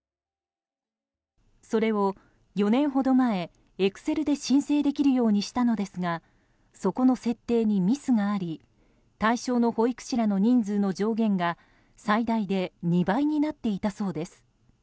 それを４年ほど前、エクセルで申請できるようにしたのですがそこの設定にミスがあり対象の保育士らの人数の上限が最大で２倍になっていたそうです。